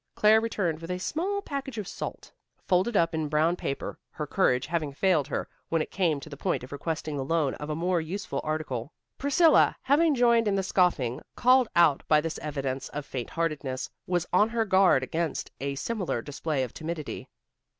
Claire returned with a small package of salt, folded up in brown paper, her courage having failed her when it came to the point of requesting the loan of a more useful article. Priscilla, having joined in the scoffing called out by this evidence of faint heartedness, was on her guard against a similar display of timidity.